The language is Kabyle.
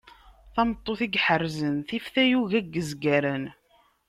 tameṭṭut i iḥerrzen tif tayuga n yezgaren.